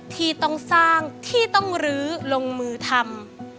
ที่ต้องสร้างที่ต้องลื้อลงมือทำ